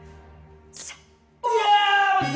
うわ！